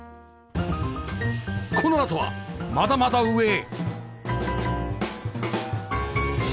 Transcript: このあとはまだまだ上へ